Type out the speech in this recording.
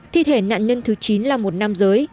thi thể nạn nhân thứ chín là một nam giới